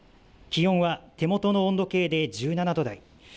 気温は手元の温度計で１７度台。